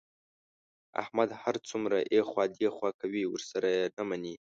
احمد هر څومره ایخوا دیخوا کوي، ورسره یې نه مني.